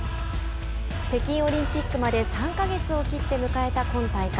北京オリンピックまで３か月を切って迎えた今大会。